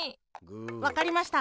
わかりました！